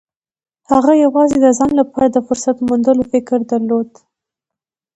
هغه يوازې د ځان لپاره د فرصت موندلو فکر درلود.